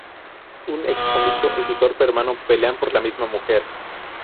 Un ex-convicto y su torpe hermano pelean por la misma mujer.